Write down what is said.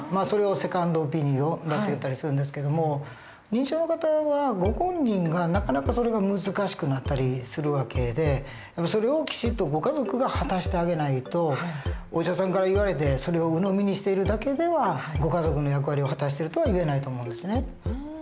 それをセカンドオピニオンっていったりするんですけども認知症の方はご本人がなかなかそれが難しくなったりする訳でそれをきちっとご家族が果たしてあげないとお医者さんから言われてそれをうのみにしているだけではご家族の役割を果たしてるとはいえないと思うんですね。